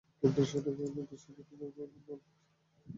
কিন্তু সঠিক দিক নির্দেশনার অভাবে তাঁরা অনেক সময় ভুল পথে পরিচালিত হচ্ছেন।